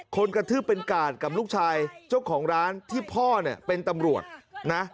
กระทืบเป็นกาดกับลูกชายเจ้าของร้านที่พ่อเนี่ยเป็นตำรวจนะ